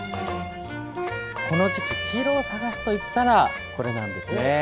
この時期、黄色を探すといったら、これなんですね。